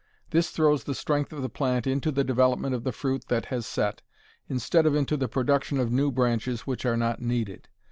This throws the strength of the plant into the development of the fruit that has set, instead of into the production of new branches which are not needed.